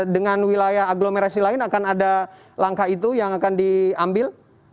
dengan wilayah agglomerasi lain akan ada langkah itu yang akan diambil